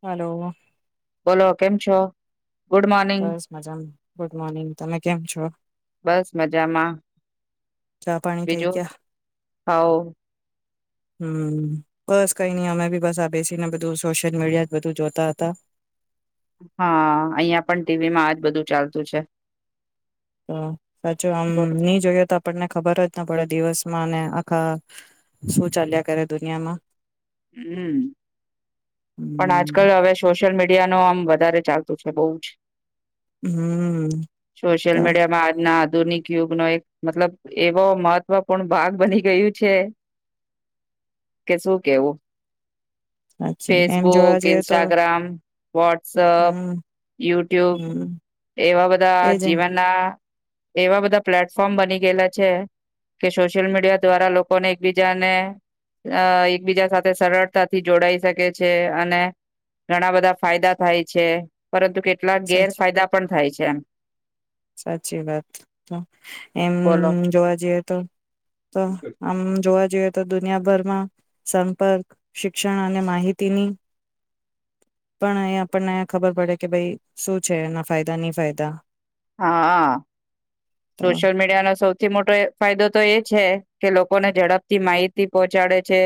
Hello. બોલો કેમ છો? ગુડ મોર્નિંગ બસ મજામા, ગુડ મોર્નિંગ. તમે કેમ છો? બસ મજામાં ચા પાણી થઈ બીજું હાઉ હમ્મ બસ કઈ નહી અમે બી બસ આ બેસીને બધું સોશિયલ મીડિયા જ બધું જોતા હતા હા અહિયાં પણ ટીવી માં આજ બધું ચાલતું છે. તો સાચો આમ ની જોઈએ તો આપણને ખબર જ ના પડે દિવસમાં અને આખા શું ચાલ્યા કરે દુનિયામાં હમ્મ પણ આજ હમ કલ હવે સોશિયલ મીડ ઇન્ડિયા નો આમ વધારે ચાલતું છે. બહુ જ હમ સોશિયલ તો મીડિયામાં આજના હત દુનિક યુગ નો એક મતલબ એવો મહત્વપૂર્ણ ભાગ બની ગયું છે. કે શું કેવું સાચી એમ જોવા ફેસબુક, જઈએ તો ઇન્સ્ટાગ્રામ વોટ્સઅપ, હમ યુટ્યુબ હમ એવા બધા એજ જીવનના એવા બધા પ્લેટફોર્મ બની ગયેલા છે. કે સોશિયલ મીડિયા દ્વારા લોકોને એકબીજાને અ એકબીજા સાથે સરળતાથી જોડાઈ શકે છે. અને ઘણા બધા ફાયદા થાય છે. પરંતુ કેટ કેટલા ગેર સાચી ફાયદા પણ થાય છે. એમ સાચી વાત. તો એમ બોલો જોવા જઈએ તો, તો આમ જોવા જઈએ તો દુનિયાભરમાં સંપર્ક, શિક્ષણ અને માહિતીની પણ અહી આપણને ખબર પડે કે ભાઈ શું છે. એના ફાયદા ની ફાયદા હાઆ તો સોશિયલ મીડિયાના સૌથી મોટો એક ફાયદો તો એ છે કે લોકોને ઝડપથી માહિતી પહોંચાડે છે.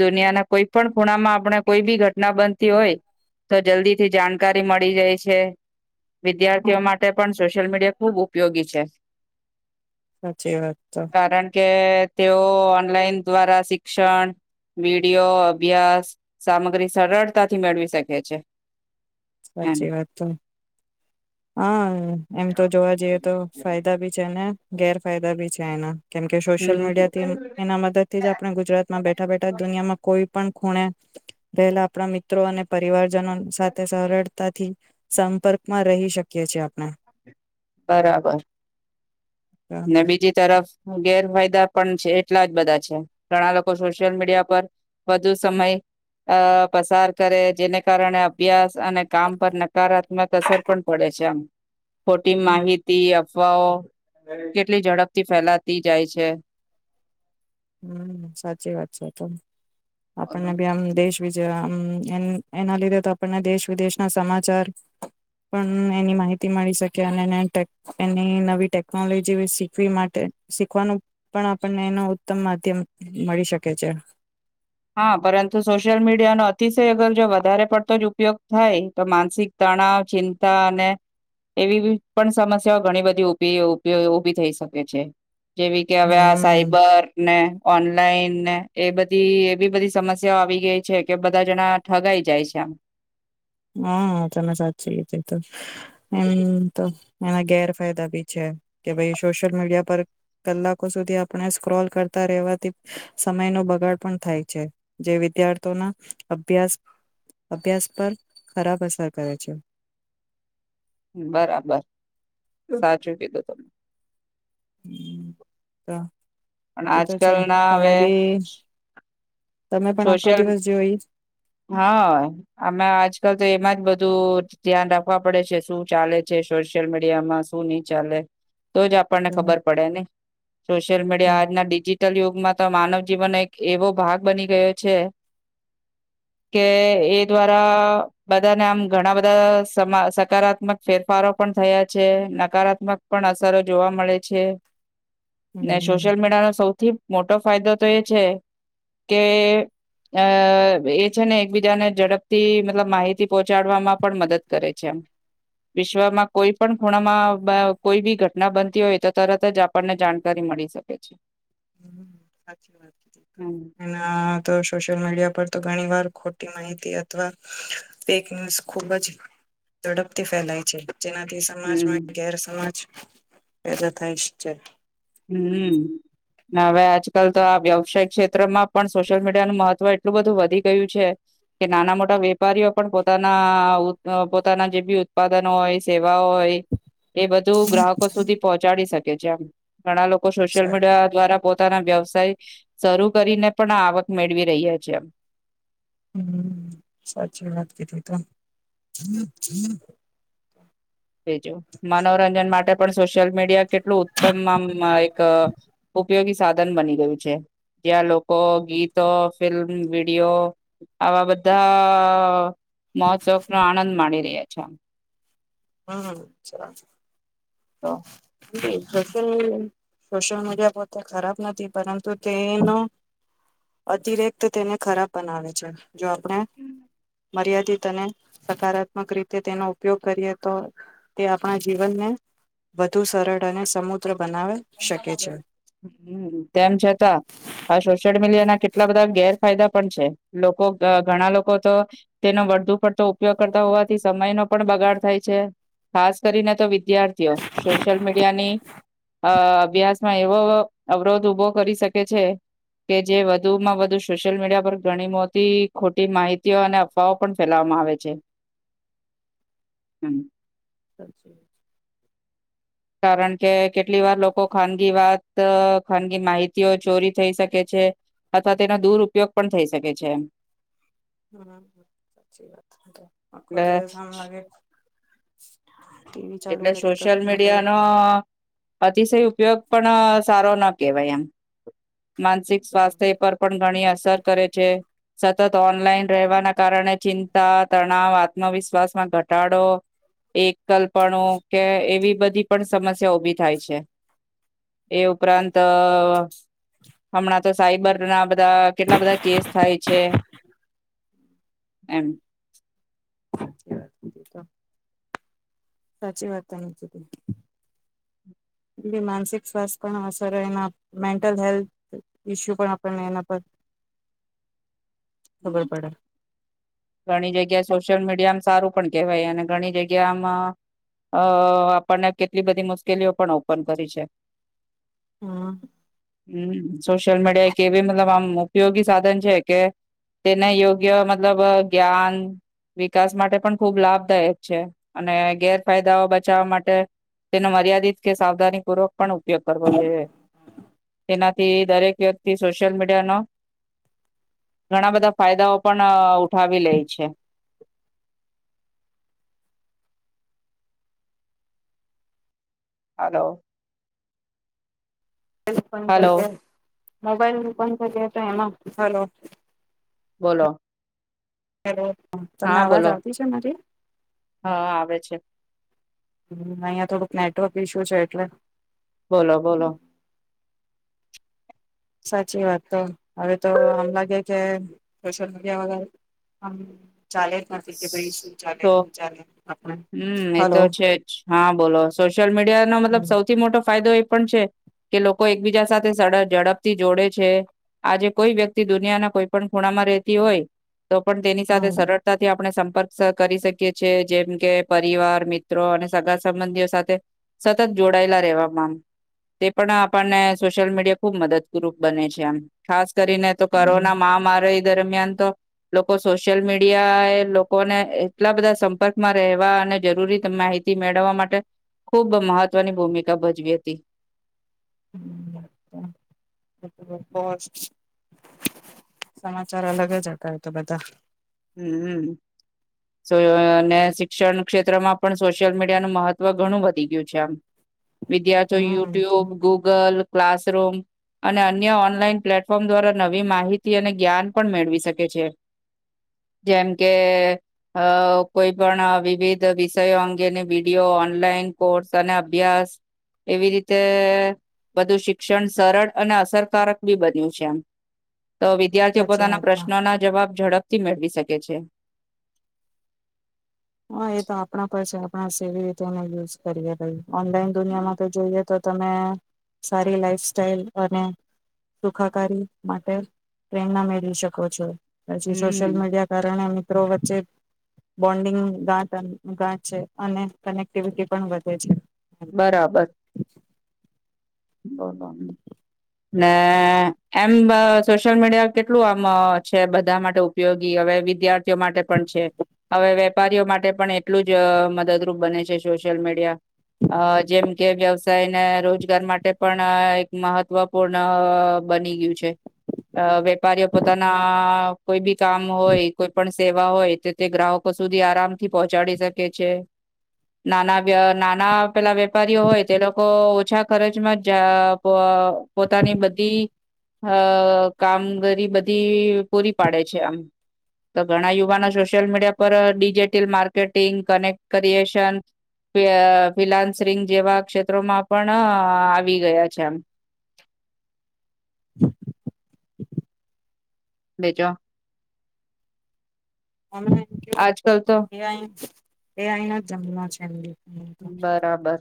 દુનિયાના કોઈ પણ ખૂણામાં આપણે કોઈ બી ઘટના બનતી હોય, તો જલ્દી થી જાણકારી મળી જાય છે. વિદ્યાર્થીઓ માટે પણ સોશિયલ મીડિયા ખૂબ ઉપયોગી છે. સાચી વાત તો કારણ કે તેઓ ઓનલાઈન દ્વારા શિક્ષણ વિડીયો અભ્યાસ સામગ્રી સરળતાથી મેળવી શકે છે. એમ સાચી વાત તો, હા હમ્મ, એમ તો જોવા જઈએ તો ફાયદા બી છે ને ગેર ફાયદા ભી છે એના કેમ કે સોશિયલ હમ મીડિયા થી એના મદદ થી જ આપણે ગુજરાતમાં બેઠા બેઠા દુનિયામાં કોઈ પણ ખૂણે રહેલા આપણા મિત્રો અને પરિવાર જનો સાથે સરળ થી સંપર્ક માં રહી શકે શ છે આપણે બરાબર ને બીજી તરફ ગેરફાયદા પણ છે એટલા જ બધા છે ઘણા લોકો સોશિયલ મીડિયા પર વધુ સમય અ પસાર કરે જેને કારણે અભ્યાસ અને કામ પર નકારાત્મક અસર પણ પડે છે આમ ખોટી હમ માહિતી સ્વ કેટલી ઝડપથી ફેલાતી જાય છે હમ સાચી વાત છે ત આપણને બી આમ દેશ એના લીધે તો આપણને દેશ વિદેશના સમાચાર પણ એની માહિતી મળી શકે અને એની નવી ટેકનોલોજી શીખવી માટે શીખવાનું પણ આપણને એ ઉત્તમ માધ્યમ મળી શકે છે હા પરંતુ સોશિયલ મીડિયાનોો અતિશય અગર જો વધારે પડતો જ ઉપયોગ થાય તો માનસિક તણાવ ચિંતા અને એવી પણ સમસ્યાઓ ઘણી બધી ઉભી થઈ શકે છે જેવી કે હવે આ હમ સાઈબર ને ઓનલાઈનને એ બધી એવી બધી સમસ્યાઓ આવી ગઈ છે કે બધા જણા ઠગાઈ જાય છે આમ હા તમે સાચી છે તો એમ તો એના ગેરફાયદા બી છે કે ભાઈ સોશિયલ મીડિયા પર કલાકો સુધી આપણે સ્ક્રોલ કરતા રહેવાથી સમય ન બગાડ પણ થાય છે જે વિદ્યાર્થીઓના અભ્યાસ અભ્યાસ પર ખરાબ અસર કરે છે બરાબર સાચું કીધું તમે હમ તો પણ એ તો છે આજકાલ ના તમે હવે બી તમે પણ આખો સોશિયલ દિવસ જોઈશ હા આમે આજકાલ તો એમાં જ બધું ધ્યાન રાખવા પડે છે શું ચાલે છે સોશિયલ મીડિયામાં શું નઈ ચાલે તો જ આપણને હમ ખબર પડે ને સોશિલ મીડિયા આજના ડિજટ લ યુગમાં તો માનવ જીવન એક એવો ભાગ બની ગયો છે કે એ દ્વારા બધાને આમ ઘણા બધા સકારાત્મક ફેરફારો પણ થયા છે નકારાત્મક પણ અસરો જોવા મળે છે ને સોશિયલ મીડિયા ન સૌથી મોટો ફાયદો તો એ છે કે અ એ છે ને એકબીજાને ઝડપથી મતલબ માહિતી પહોંચાડવામાં પણ મદદ કરે છે એમ વિશ્વમાં કોઈ પણ ખૂણામાં કોઈ બી ઘટના બનતી હોય તો તરત જ આપણને જાણકારી મળી શકે છે સાચી વાત હમ એના તો સોશિયલ મીડિયા પર ઘણી વાર ખોટી માહિતી અથવાેક ન્યઝ ખુબ જ ઝડપથી ફેલાય છે જેનાથી સમાજમાં હમ ગેર સમાજ પે તો થાય જ છે હમ હવે આજકાલ તો આ વ્યવસાય ક્ષેત્રમાં પણ સોશિયલ મીડિયાનું મહત્વ એટલું બધું વધી ગયું છે કે નાના મોટા વેપારીઓ પણ પોતાના પોતાના જે બી ઉત્પાદનો હોય સેવા હોય એ બધું ગ્રાહકો સુધી પહોંચાડી શકે કે ઘણા લોકો સોશિયલ મીડિયા દ્વારા પો પોતાના વ્યવસાય શરૂ કરીને પણ આવક મેળવી રહીયા છે એમ હમ સાચી વાત કીધી તો. બીજું મનોરંજન માટે પણ સોશિયલ મીડિયા કેટલું ઉત્તમ આમ એક ઉપયોગી સાધન બની ગયું છે જ્યાં લોકો ગીતો ફિલ્મ વિડીયો આવા બધા મહોત્સવક નો આનંદ માની રહ્યા છે અચ્છા. હમ હમ સરસ તો. સોશિયલ મિડિયા સોશિયલ મીડિયા પોતે ખરાબ નથી પરંતુ તેનો અતિરેકત તેને ખરાબ બનાવે છે. જો આપણે હમ મર્યાદિત અને સકારાત્મક રીતે તેનો ઉપયોગ કરીએ તો તે આપણા જીવનને વધુ સરળ અને સમુદ્ર બનાવે શકે છે. તેમ છતાં આ સોશિયલ મીડિયા ના કેટલા બધા ઘેર ફાયદા પણ છે લોકો ઘણા લોકો તો તેનો વુ પડતો ઉપયોગ કરતા હોવાથી સમય ન પણ બગાડ થાય છે ખાસ કરીને તો વિદ્યાર્થીઓ સોશિયલ મીડિયાની અ અભ્યાસમાં એવો અવરોધ ઉભો કરી શકે છે કે જે વધુમાં વધુ સોશિયલ મીડિયા પર ઘણી મોટી ખોટી માહિતીઓ અને અફવાઓ પણ ફેલાવામાં આવે છે હમ [unintelligible] કારણ કે કેટલી વાર લોકો ખાનગી વાત ખાનગી માહિતીઓ ચોરી થઈ શકે છે અથવા તેનો દૂર ઉપયોગ પણ થઈ શકે છે. હ સાચી વાત આખો દિવસ આમ એટલે લાગે હા. [inaudible] એટલે સોશિયલ મીડિયાનોો અતિશય ઉપયોગ પણ સારો ન કેવાય આમ માનસિક સ્વાસ્થ્ય એ પર પણ ઘણી અ સર કરે છે સતત ઓનલાઈન રહેવાના કારણે ચી તણાવ આત્મવિશ્વાસમાં ઘટાડો એકલ્પ પણો કે એવી બધી પણ સમસ્યા ઉભી થાય છે. એ ઉપરાંત હમણાં તો સાયબર નાધ બધા કેટલા બધા કેસ થાય છે. એમ. સાચ વાત સાચી વાત માનસિક સ્વાસ્થ પણ અસર એના મેન્ટલ હેલ્થ ઈસ્યુ પણ આપને એના પર ખબર પડે ઘણી જગ્યાએ સોશિયલ મીડિયામ સારું પણ કેહેવાય અને ઘણી જગ્યા આમાં આપણને કેટલી બધી મુશ્કેલીઓ પણ ઓપન કરી છે હમ હમ સોશિયલ મીડિયા એક એવી મતલબ આમ ઉપયોગી સાધન છે કે તેને યોગ્ય મતલબ જ્ઞાન વિકાસ માટે પણ ખૂબ લાભદાયક છે અને ગેરફાયદાઓ બચાવવા માટે તેનો મર્યાદિત કે સાવધાની પૂર્વક પણ ઉપયોગ કરવો જોઈએ તેનાથી દરેક વ્યક્તિ સોશિયલ મીડિયાનો ઘણા બધા ફાયદાઓ પણ ઉઠાવી લે છે હલોો એ પ હલો મોબાઈલ પણ તો કેતા એમાં હાલ બોલો હલો હા તમને અવાજ આવતી છે મારી હા આવે છે હમ અહિયાં થોડુંક નેટવર્ક ઈશ્યુ છે એટલે બોલો બોલો સાચી વાત તો હવે તો આમ લાગે કે સોશિયલ મીડિયા વગ ચાલે જ નથી ભાઈ શું ચાલે તો શું ચાલે આપણે હમ એ તો હલો છે જ હા બોલો સોશિયલ મીડિયાનો મતલબ હમ સૌથી મોટો ફાયદો એ પણ છે કે લોકો એકબીજા સાથે ઝડપથી જોડે છે આજે કોઈ વ્યક્તિ દુનિયાના કોઈ પણ ખૂણામાં રહેતી હોય તો પણ તેની સાથે સરળતાથી આપણે સંપર્ક કરી શકી છે જેમ કે પરિવાર મિત્રો અને સગા સંબંધીઓ સાથે સતત જોડાયેલા રહેેવામાંમ તે પણ આપણને સોશિયલ મીડિયા ખુબ મદદપુરક બને છે આમ ખાસ કરીને તો હમ કોરોના મહામારી દરમિયાન તો લોકો સોશિયલ મીડિયા એ ને એટલા બધા સંપર્કમાં રહેવા અને જરૂરી માહિતી મેળવવા માટે ખૂબ મહત્વની ભૂમિકા ભજવી હતી સમાચાર અલગ જ અ તો બધા હમમ અને શિક્ષણ ક્ષેત્રમાં પણ સોશિયલ મીડિયાનું મહત્વ ઘણું વધી ગયું છે આમ વિદ્યાર્થીઓ હમ યુટ્યુબ ગૂગલ ક્લાસરૂમ અને અન્ય ઓનલાઈન પ્લેટફોર્મ દ્વારા નવી માહિતી અને જ્ઞાન પણ મેળવી શકે છે જેમ કે અ કોઈ પણ વિવિધ વિષયો અંગેની વિડીિયો ઓનલાઈન કોર્સ અને અભ્યાસ એવી રીતે બધું શિક્ષણ સરળ અને અસરકારક બી બન્યું છે એમ તો વિદ્યાર્થીઓ સાચી પોતાના વાત પ્રશ્નોના જવાબ ઝડપ મળવી કે છે હા એ તો આપણા પરસે આપણા સેવી રીતે યુઝ કરીએ ભાઈ ઓનલાઈન દુનિયામાં તો જોઈએ તો તમે સારી લાઈફ સાઈલ અને સુખાકારી માટે પ્રેરણા મેળવી શકો છો પછી સોશલ હમ મીડિયા કારણ મ્રો વચ્ચે બોન્ડિંગ ગાટ ઘાટ છે અને કનેક્ટિવિટી પણ વધે છે બરાબર બલો ને એમ સોશિયલ મીડિયા કેટલું આમ છે બધા માટે ઉપયોગી હવે વિદ્યાર્થીઓ માટે પણ છે હવે વેપારીઓ માટે પણ એટલું જ મદદરૂપ બને છે સોશિયલ મીડિયા જેમ કે વ્યવસાય ને રોજગાર માટે તે પણ એક મહત્વપૂર્ણ બની ગયું છે વેપારીઓ પોતાના કોઈ બી કામ હોય કોઈ પણ સેવા હોય તો તે ગ્રાહકો સુધી આરામથી પહોંચાડી શકે છે નાના નાના પેલા વેપારીઓ હોય તે લોકો ઓછા ખર્ચ માં જા પવા પોતાની બધી અ કામગીરી બધી પૂરી પાડે છે આમ તો ઘણા યુ સોશિયલ મીડિયા પર digital marketing connect creation freelancing જેવા ક્ષેત્રોમાં પણ હા આવી ગયા છે એમ બેજો અમ કે આજકાલ તો એ અહિયાયા જંગમાં છે એમ બરાબર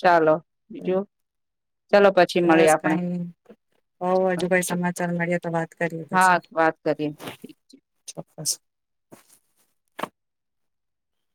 ચાલો બીજું ચાલો પછી મળીએ બસ આપણે કઈ હોવ હજુ ભાઈ સમાચાર મળીએ તો વાત કરીએ હા પછી વાત કરીએ બસ